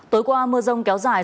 tối qua mưa rông kéo dài